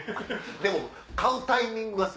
でも買うタイミングがさ。